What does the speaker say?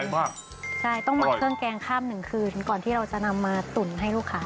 ต้องหมักข้ามหนึ่งคืนต้องหมักเครื่องแกงข้ามหนึ่งคืนก่อนที่เราจะนำมาตุ๋นให้ลูกค้าทาน